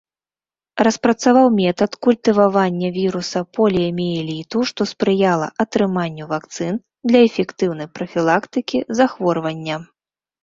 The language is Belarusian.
Распрацаваў метад культывавання віруса поліяміэліту, што спрыяла атрыманню вакцын для эфектыўнай прафілактыкі захворвання.